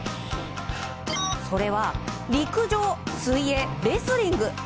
それは陸上、水泳、レスリング。